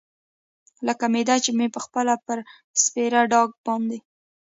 لکه معده چې مې پخپله پر سپېره ډاګ باندې.